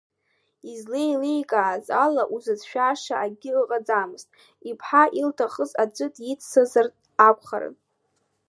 Излеиликааз ала узыцәшәаша акагьы ыҟаӡамызт, иԥҳа илҭахыз аӡәы диццазар акәхарын.